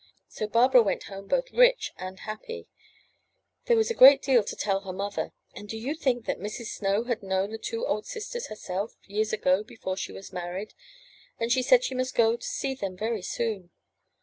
So Barbara went home both rich and happy. There was a great deal to tell her mother; and do you think that Mrs. Snow had known the two old sisters herself, years ago, before she was married, and she said she must go to see them very soon.